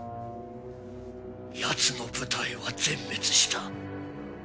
やつの部隊は全滅した。